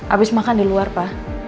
abis makan di luar pak